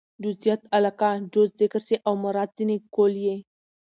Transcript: جزئيت علاقه؛ جز ذکر سي او مراد ځني کُل يي.